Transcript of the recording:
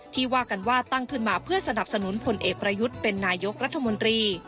ว่ากันว่าตั้งขึ้นมาเพื่อสนับสนุนพลเอกประยุทธ์เป็นนายกรัฐมนตรี